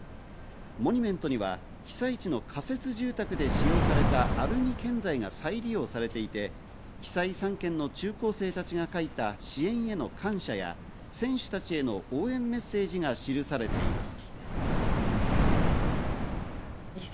モニュメントには被災地の仮設住宅で使用されたアルミ建材が再利用されていて、被災３県の中高生たちが書いた支援への感謝や選手たちへの応援メッセージが記されています。